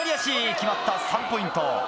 決まった３ポイント。